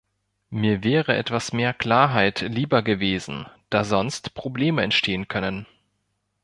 Mir wäre etwas mehr Klarheit lieber gewesen, da sonst Probleme entstehen können.